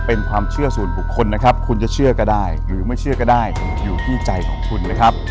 เป็นความเชื่อส่วนบุคคลนะครับคุณจะเชื่อก็ได้หรือไม่เชื่อก็ได้อยู่ที่ใจของคุณนะครับ